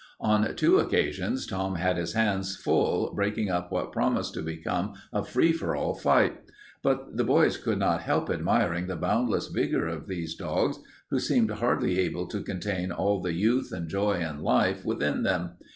On two occasions Tom had his hands full breaking up what promised to become a free for all fight. But the boys could not help admiring the boundless vigor of these dogs who seemed hardly able to contain all the youth and joy and life within them.